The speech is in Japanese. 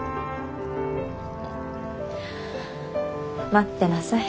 待ってなさい。